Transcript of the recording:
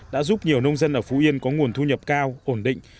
đã giúp nhiều nông dân ở phú yên có nguồn thu nhập cao ổn định